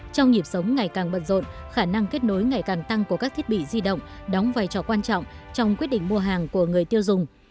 trong nhịp sống ngày càng bận rộn khả năng kết nối ngày càng tăng của các thiết bị di động đóng vai trò quan trọng trong quyết định mua hàng của người tiêu dùng